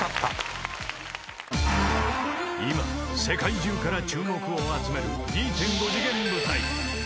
［今世界中から注目を集める２．５次元舞台］